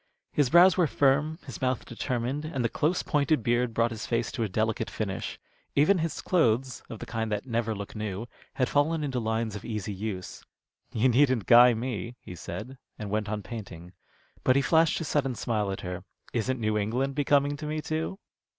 His brows were firm, his mouth determined, and the close pointed beard brought his face to a delicate finish. Even his clothes, of the kind that never look new, had fallen into lines of easy use. "You needn't guy me," he said, and went on painting. But he flashed his sudden smile at her. "Isn't New England becoming to me, too?"